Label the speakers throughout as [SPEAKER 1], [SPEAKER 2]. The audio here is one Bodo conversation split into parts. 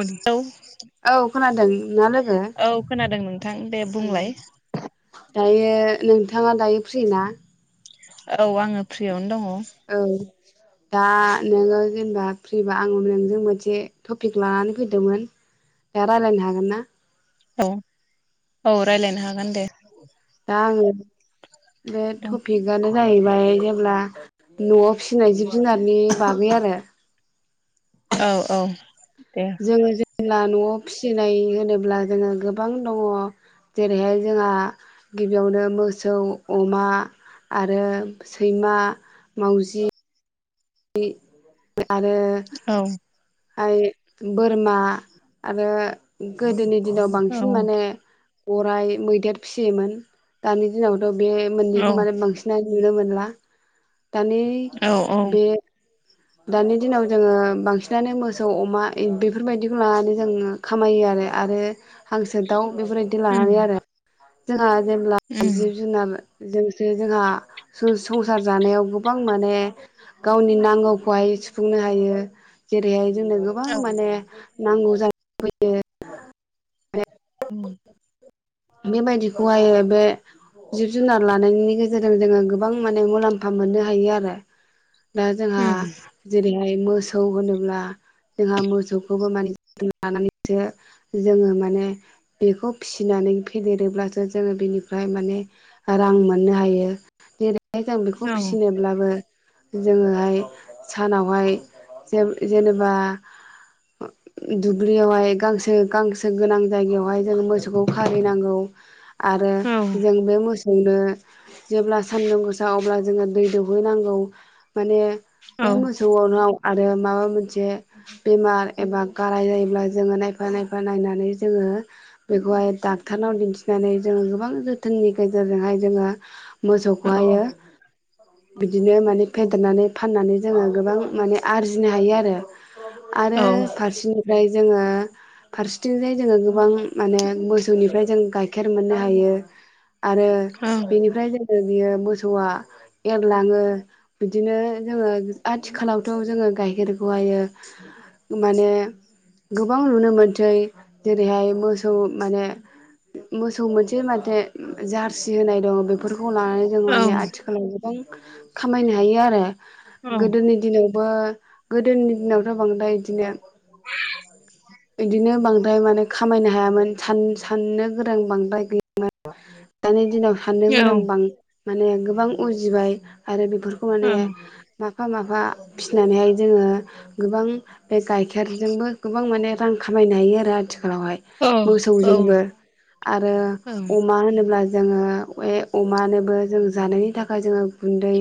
[SPEAKER 1] औ
[SPEAKER 2] औ खोनादों ना लोगो
[SPEAKER 1] औ खोनादों नोंथां दे
[SPEAKER 2] औ
[SPEAKER 1] बुंलाय
[SPEAKER 2] दायो नोंथाङा दायो फ्रि ना
[SPEAKER 1] औ आङो फ्रियावनो दङ
[SPEAKER 2] औं दा नोङो जेनेबा फ्रिबा आं नोंजों मोनसे टपिक लानानै फैदोंमोन ए‌रायलायनो हागोनना
[SPEAKER 1] औ औ रायज्लायनो हागोन दे
[SPEAKER 2] दा आङो बे टपिकआनो जाहैबाय ओमफ्राय जेब्ला न'आव फिसिनाय जिब जुनारनि बागै आरो
[SPEAKER 1] औ औ दे
[SPEAKER 2] जोङो जेब्ला न'आव फिसिनाय होनोब्ला जोङो गोबां दङ जेरैहाय जोंहा गिबियावनो मोसौ अमा आरो सैमा मावजि [unintelligible] आरो
[SPEAKER 1] औ
[SPEAKER 2] हाय बोरमा आरो गोदोनि दिनाव
[SPEAKER 1] औ
[SPEAKER 2] बांसिन माने गराय मैदेर फिसियोमोन दानि दिनाव थ' बे
[SPEAKER 1] औ
[SPEAKER 2] मोननैखौ माने बांसिनानो नुनो मोनला दानि
[SPEAKER 1] औ औ
[SPEAKER 2] बे दानि दिनाव जोङो बांसिनानो मोसौ अमा बेफोरबायदिखौ लानानै जोङ खामायो आरो आरो हांसो दाउ बेफोरबायदि
[SPEAKER 1] उम
[SPEAKER 2] लानानै आरो जोंहा जेब्ला
[SPEAKER 1] उम
[SPEAKER 2] जिब जुनार जोंसो जोंहा संसार जानायाव गोबां माने गावनि नांगौ खौहाय सुफुंनो हायो जेरैहाय जोंनो गोबां
[SPEAKER 1] औ
[SPEAKER 2] माने नांगौ जाना फैयो
[SPEAKER 1] औ
[SPEAKER 2] बेबायदिखौहाय बे जिब जुनार लानायनि गेजेरजों जोङो गोबां माने मुलाम्फा मोननो हायो आरो। दा जोंहा जेरैहाय मोसौ होनोब्ला जोंहा मोसौखौबो माने जोथ लानानैसो जोङो माने बेखौ फिसिनानै फदेरोब्लासो जोङो बिनिफ्राय माने रां मोननो हायो जों बेखौ फिसिनोब्लाबो जोङोहाय सानावहाय जेनेबा दुब्लियावहाय गांसो गांसो गोनां जायगायावहाय जोंङो मोसौखौ खाय हैनांगौ आरो
[SPEAKER 1] उम
[SPEAKER 2] जों बे मोस सौनो जेब्ला सान्दुं गोसा अब्ला जोङो दै दौहैनांगौ माने
[SPEAKER 1] औ
[SPEAKER 2] बे मोसौआवनाव आरो माबा मोनसे बेमार एबा गाराय जायोब्ला जोङो नायफा नायफा नायनानै जोङो बेखौहाय डाक्टरनाव दिन्थिनानै जोङो गोबां जोथोननि गेजेरजोंहाय जोङो
[SPEAKER 1] औ
[SPEAKER 2] मोसौखौहायो बिदिनो माने फेद फेरनानै फाननानै जोङो गोबां माने आरजिनो हायो आरो आरो
[SPEAKER 1] औ
[SPEAKER 2] फारसेनिफ्राय जोङो फारसेथिंजाय जोङो गोबां माने मोस जुनिफ्राय जों गाइखेर मोननो हायो आरो बेनिफ्राय जों आरो बियो मोसौआ एरलाङो बिदिनो जोङो आथिखालावथ' जोङो गाइखेर खौहायो माने गोबां नुनो मोनसै जेरैहाय मोसौ माने मोसौ मोनसे माथे जारसि होनाय दङ बेफोरख बेखौ लानानै जों माने आथिखालाव गोबां खामायनो हायो आरो।
[SPEAKER 1] ओं
[SPEAKER 2] गोदोनि दिनावबो गोदोनि दिनावथ' बांद्राय बिदिनो बिदिनो बांद्राय माने खामायनो हायामोन सान साननो गोरों बांद्राय गैयामोन दानि दिनाव साननो
[SPEAKER 1] औ
[SPEAKER 2] गोरों बां माने गोबां उजिबाय आरो बेफोरखौ माने मा माफा माफा फिसिनानैहाय जोङो गोबां बे गाइखेरजोंबो गोबां माने रां खामायनो हायो आरो आथिखालावहाय मोसौ जोंबो आरो
[SPEAKER 1] औ
[SPEAKER 2] अमा होनोब्ला जोङो बे अमानोबो जों जानायनि थाखाय जोङो गुन्दै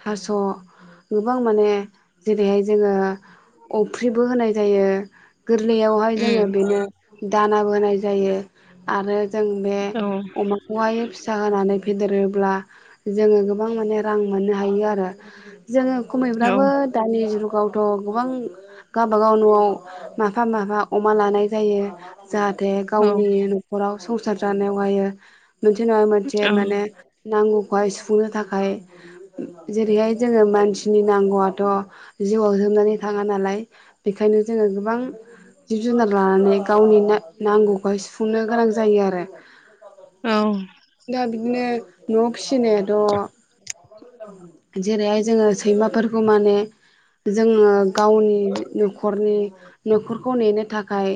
[SPEAKER 2] थास' गोबां माने जेरैहाय जोङो अफ्रिबो होनाय जायो। गोरलैयावहाय जोङो बेनो दानाबो होनाय जायो आरो जों बे
[SPEAKER 1] औ
[SPEAKER 2] अमाखौहाय फिसा होनानै फेदेरोब्ला जोङो गोबां माने रां मोननो हायो आरो। जोङो खमैब्लाबो
[SPEAKER 1] ओं
[SPEAKER 2] दानि जुगावथ' गोबां गावबागाव न'आव माफा माफा अमा लानाय जायो जाहाथे गावनि न'खराव संसार जानायावहायो मोनसे नङा मोनसे माने नांगौखौहाय सुफुंनो थाखाय जेरैहाय जोङो मानसिनि नांगौआथ' जिउआव जोबनानै थाङा नालाय बेखायनो जोङो गोबां जिब जुनार लानानै गावनि नांगौखौहाय सुफुंनो गोनां जायो आरो।
[SPEAKER 1] औ।
[SPEAKER 2] दा बिदिनो न आव फिसिनायाथ' जेरैहाय जोङो सैमाफोरखौ माने जोङो गावनि न'खरनि न'खरखौ नेनो थाखाय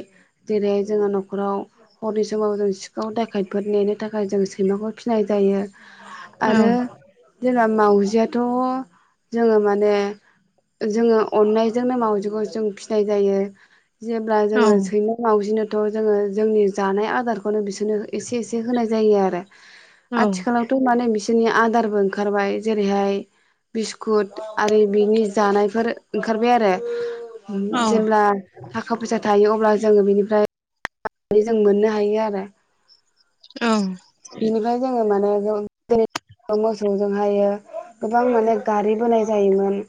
[SPEAKER 2] जेरैहाय जोङो न'खराव हरनि समाव जों सिखाव दाखायफोर नेनो थाखाय जों सैमाखौ फिसिनाय जायो
[SPEAKER 1] उम
[SPEAKER 2] आरो जों मावजियाथ' जोङो माने जोङो अननायजोंनो मावजिखौ जों फिनाय जायो। जेब्ला
[SPEAKER 1] औ
[SPEAKER 2] जोङो सैमा मावजिनोथ' जोङो जोंनि जानाय आदारखौनो बिसोरनो एसे एसे होनाय जायो आरो
[SPEAKER 1] औ
[SPEAKER 2] आथिखालावथ' माने बिस नि आदारबो ओंखारबाय जेरैहाय बिस्कुट आरो बिनि जानायफोर ओंखारबाय आरो।
[SPEAKER 1] ओं औ औ
[SPEAKER 2] जेब्ला थाखा फैसा थायो अब्ला जोङो बेनिफ्राय नानै जों मोननो हायो आरो।
[SPEAKER 1] ओं।
[SPEAKER 2] बिनिफ्राय जोङो माने मोसौजोंहायो गोबां माने गारि बोनाय जायोमोन।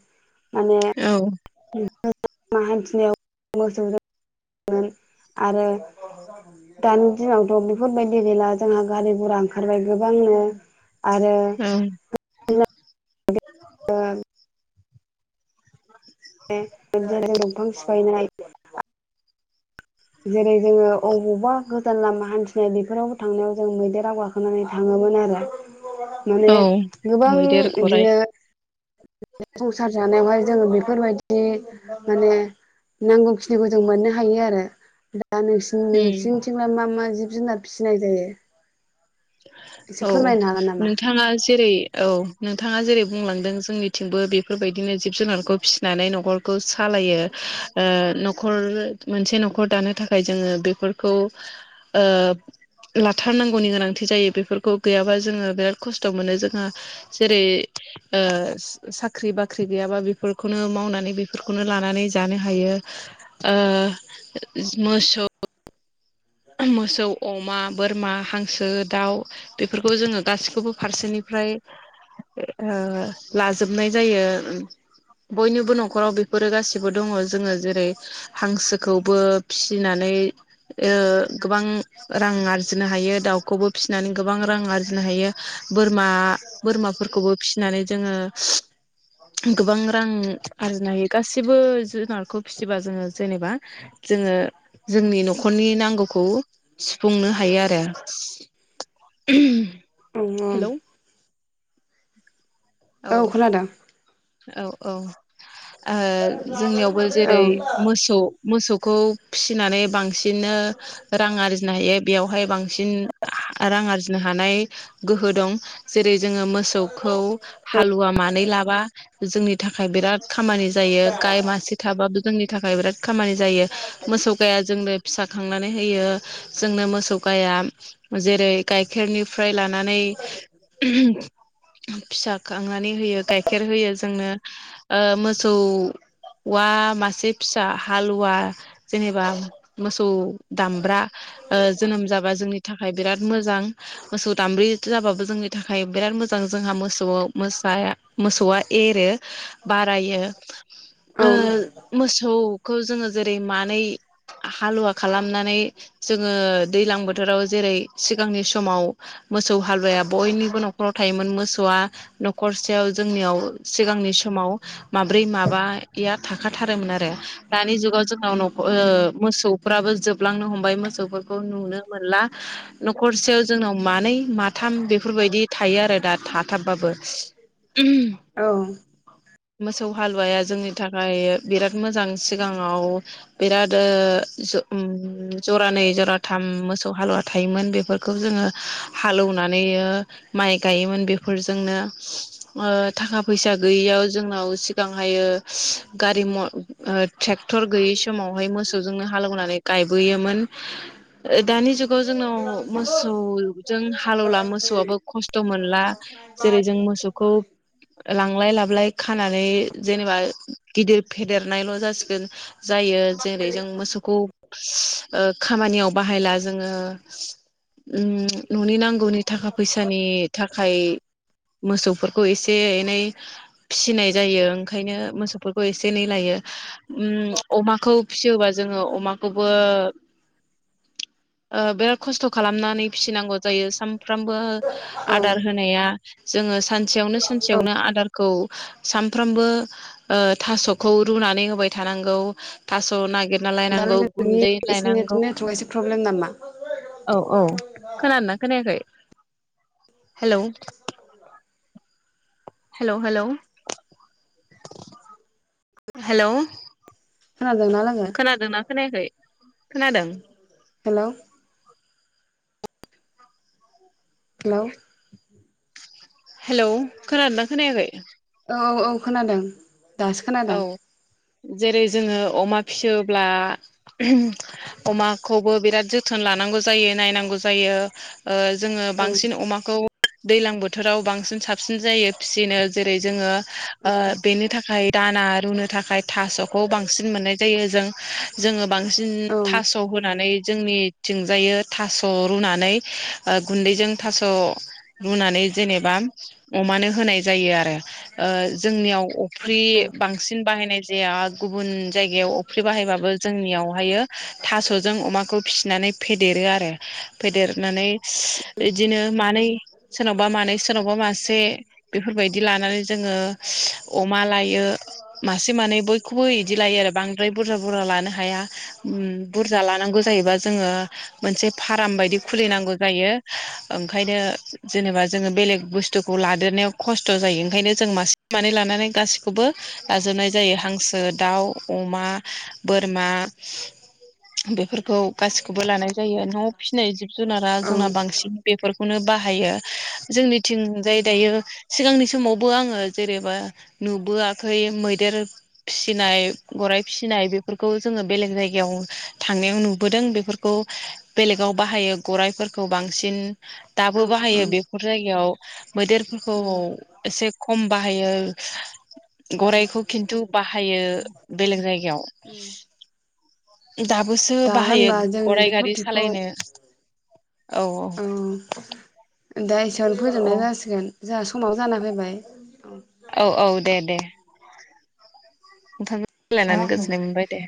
[SPEAKER 1] औ
[SPEAKER 2] बिलामा हान्थिनायाव मोसौजों आरो दानि दिनावथ बेफोरबायदि गैला जोंहा गारि गुरा ओंखारबाय गोबांनो। आरो
[SPEAKER 1] औ
[SPEAKER 2] द ज दंफां सिफायनाय जेरै जोङो अबावबा गोदान लामा हान्थिनाय बेफोरावबो थांनायाव जों मैदेराव गाखोनानै थाङोमोन आरो। माने
[SPEAKER 1] औ
[SPEAKER 2] गोबां
[SPEAKER 1] मैदेर गराइ
[SPEAKER 2] बिदिनो संसार जानायावहाय जोङो बेफोरबायदि माने नांगौखिनि जे गुदुं मोननो हायो आरो। दा नों
[SPEAKER 1] उम
[SPEAKER 2] नोंसिनिथिंला मा मा जिब जुनार फिसिनाय जायो? एसे
[SPEAKER 1] औ
[SPEAKER 2] फोरमायनो हागोन नामा?
[SPEAKER 1] नोंथाङा जेरै औ नों नोंथांङा जेरै बुंलांदों जोंनिथिंबो बेफोरबायदिनो जिब जुनारखौ फिसिनानै नखर सालायो। नखर मोनसे नखर दानो थाखाय जोङो बेफोरखौ लाथारनांगौनि गोनां नांथि जायो बेफोरखौ गैयाबा जोङो बिराद खस्थ मोनो जोङो जेरै‌ ओ साख्रि बाख्रि गैयाबा बेफोरखौनो मावनानै बेफोरखौनो लानानै जानो हायो। ओ मोसौ मोसौ अमा बोरमा हांसो दाउ बेफोरखौ जोङो गासिखौबो फारसेनिफ्राय लाजोबनाय जायो। बयनिबो नखराव बेफोरो गासिबो दङ जोङो जेरै हांसोखौबो फिसिनानै ओ गोबां रां आरजिनो हायो दाउखौबो फिसिनानै गोबां रां आरजिनो हायो। बोरमा बोरमाफोरखौबो फिसिनानै जोङो गोबां रां आरजिनो हायो गासिबो जुनारखौ फिसिबा जोंओ जेनेबा जोंओ जोंनि नखरनि नां खौ सुफुंनो हायो आरो।
[SPEAKER 2] औ
[SPEAKER 1] हेलौ।
[SPEAKER 2] औ खोनादों।
[SPEAKER 1] औ औ जोंनियावबो जेरै
[SPEAKER 2] औ
[SPEAKER 1] मोसौ मोसौ खौ फिसिनानै बांसिन बां रां आरजिनो हायो बेयावहाय बांसि रां आरज नो हानाय गोहो दं जेरै जोङो मोसौखौ हालुवा मानै लाबा जोंनि थाखाय बिराद खामानि जायो गाय मासे थाबा जोंनि थाखाय बिराद खामानि जायो मोसौ गाया जोंनो फिसा खांनानै होयो जोंनो मोसौ गाया जेरै गाइखेरनिफ्राय लानानै फिसा खांनानै होयो गाइखेर होयो जोंनो मोसौ औवा मासे फिसा हालुवा जेनेबा मोसौ दामब्रा जोनोम जाबा जोंनि थाखाय बिराद मोजां मोसौ दामब्रि जाबाबो जोंनि थाखाय बिराद मोजां। मोजां जोंहा मोसौ मोस मोसौआ एरो बारायो
[SPEAKER 2] औ
[SPEAKER 1] मोसौ खौ जोङो जेरै मानै हालुवा खालामनानै जोङो दैलां बोथोराव जेरै सिगांनि समाव मोसौ हालुवाया बयनिबो न'खराव थायोमोन मोसौआ न'खरसेयाव जोंनियाव सिगांनि समाव माब्रै माबाया थाखाथारोमोन आरो दानि जुगाव जोंनाव न'खर ओ मोसौफ्राबो जोबलांनो हमबाय मोसौफोरखौ नुनो मोनला। न'खरसेयाव जोंनाव मानै माथाम बेफोरबायदि थायो आरो दा थाथाब
[SPEAKER 2] औ।
[SPEAKER 1] मोसौ हालुवाया जोंनि थाखाय बिराद मोजां। सिगाङाव बिराद ओ ज-उम जरानै जरा था थाम मोसौ हालुवा थायोमोन। बेफोरखौ जोङो हालोवनानै माइ गायोमोन बे फोरफोरजोंनो थाखा फैसा गैयियाव जोंनाव सिगांहायो गारि म ट्रेक्टर गैयै समावहाय मोसौजोंनो हालेवनानै गायबोयोमोन। दानि जुगाव जोंनाव मोसौजों हालेवला मोसौआबो खस्थ' मोनला। जेरै जों मोसौखौ लांलाय लाबोलाय खानानै जेनेबा गिदिर फे देरनायल' जासिगोन जायो जेरै जों मोसौखौ ओ खामानियाव बाहायला जोङो न'नि नांगौनि थाखा फैसानि थाखाय मोसौफोरखौ एसे एनै फिसिनाय जायो। ओंखायनो मोसौ फोरखौ एसे एनै लायो। अमाखौ फिसियोबा जोङो अमाखौबो ओ बिराद खस्थ' खालामनानै फिसिनांगौ जायो साम फ्रामबो
[SPEAKER 2] औ
[SPEAKER 1] आदार होनाया जोङो सानसेयावनो
[SPEAKER 2] औ
[SPEAKER 1] सानसेयावनो आदारखौ सानफ्रामबो ओ थास'खौ रुनानै होबाय थानांगौ। थास' नागिरना
[SPEAKER 2] दा
[SPEAKER 1] लायनांगौ,
[SPEAKER 2] लोगो नोंनि
[SPEAKER 1] गुन्दै
[SPEAKER 2] एसे नेट
[SPEAKER 1] लायनांगौ।
[SPEAKER 2] नेटवर्कआ एसे प्रब्लेम नामा
[SPEAKER 1] औ औ खोनादोंना खोनायाखै? हेल'। हेल' हेल' हेल'
[SPEAKER 2] खोनादोंना लोगो
[SPEAKER 1] खोनायाखै खोनादों
[SPEAKER 2] हेल' हेल'
[SPEAKER 1] हेल' खोनादोंना खोनायाखै?
[SPEAKER 2] औ औ खोनादों दासो खोनादों।
[SPEAKER 1] औ जेरै जोङो अमा फियोब्ला ओम अमाखौबो बिराद जोथोन लानांगौ जायो नायनांगौ जायो ओ जोङो
[SPEAKER 2] औ
[SPEAKER 1] बांसिन अमाखौ दैलां बोथोराव बांसिन साबसिन जायो फिसिनो जेरै जोङो ओ
[SPEAKER 2] औ
[SPEAKER 1] बेनि थाखाय दाना रुनो थाखाय थास'खौ बांसिन मोननाय जायो जों जोङो बांसिन थास' होनानै जोंनिथिंजायो थास' रुनानै ओ गुन्दैजों थास' रुनानै जेनेबा अमानो होनाय जायो आरो ओ जोंनियाव अफ्रि बांसिन बाहायनाय जाया गुबुन जायगायाव अफ्रि बाहायबाबो जोंनियाव हायो थास'जों अमाखौ फिसिनानै फेदेरो आरो फेदेरनानै
[SPEAKER 2] [inaudible]
[SPEAKER 1] बिदिनो मानै सोरनावबा मानै सोरनावबा मासे बेफोरबायदि लानानै जोङो अमा लायो मासे मानै बयखौबो इदि लायो आरो बांद्राय बुरजा बुरजा लानो हाया। उम बुरजा लानांगौ जायोबा जोङो मोनसे फार्म बायदि खुलिनांगौ जायो। ओंखायनो जेनेबा जोङो बेलेग बुस्थुखौ लादेरनायाव खस्थ' जायो ओंखायनो जों मासे मानै लानानै गासैखौबो लाजोबनाय जायो हांसो, दाउ, अमा, बोरमा बेफोरखौ गासिखौबो लानाय जायो। नआव फिनाय जिब जुनारा
[SPEAKER 2] औ
[SPEAKER 1] जोंना बांसिन बेफोरखौनो बाहायो। जोंनिथिंजाय दायो सिगांनि समावबो आङो जेनेबा नुबोआ खै मैदेर फिसिनाय गराइ फिसिनाय बेफोरखौ जोङो बेलेग जायगायाव थां नायाव नुबोदों बेफोरखौ बेलेगाव बाहायो गराइफोरखौ बांसिन दाबो बाहायो बेफोर जायगायाव मैदेरफोरखौ
[SPEAKER 2] औ
[SPEAKER 1] एसे खम बाहायो
[SPEAKER 2] औ
[SPEAKER 1] गराइखौ खिन्थु बाहायो बेलेग जायगायाव दाबोसो
[SPEAKER 2] दा
[SPEAKER 1] बाहायो
[SPEAKER 2] होनबा
[SPEAKER 1] गराय गारि सालायनो औ
[SPEAKER 2] ओं दा एसेयावनो
[SPEAKER 1] औ
[SPEAKER 2] फोजोबनाय
[SPEAKER 1] औ
[SPEAKER 2] जासिगोन जोंहा समाव जाना फैबाय औ
[SPEAKER 1] औ औ दे दे नोंथांजों रायलायनानै गोजोननाय मोनबाय दे